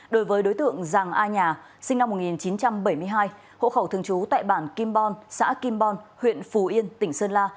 đối với đối tượng giàng a nhà sinh năm một nghìn chín trăm bảy mươi hai hộ khẩu thường trú tại bản kim bon xã kim bon huyện phù yên tỉnh sơn la